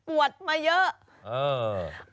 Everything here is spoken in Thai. ปวดไม่เยอะ